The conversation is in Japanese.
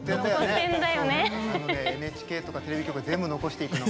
あのねＮＨＫとかテレビ局は全部残していくの。